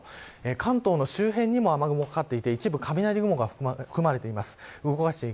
関東の周辺にも雨雲がかかっていて一部、雷雲が含まれています。